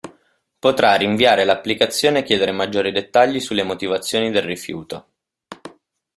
Potrà rinviare l'applicazione e chiedere maggiori dettagli sulle motivazioni del rifiuto.